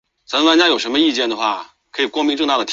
己醛糖是分子中有醛基的己糖。